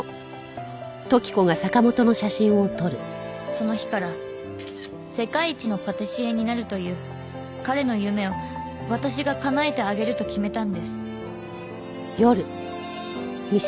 その日から世界一のパティシエになるという彼の夢を私が叶えてあげると決めたんです。